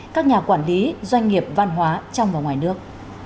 các nhà quản lý doanh nghiệp văn hóa trong và ngoài nước